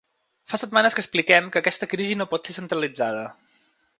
Fa setmanes que expliquem que aquesta crisi no pot ser centralitzada.